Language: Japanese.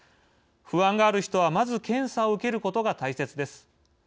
不安がある人はまず検査を受けることが大切です。